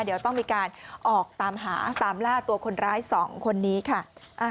เดี๋ยวต้องมีการออกตามหาตามล่าตัวคนร้าย๒คนนี้ค่ะ